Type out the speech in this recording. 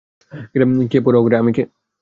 কে পরোয়া করে, আমি কে?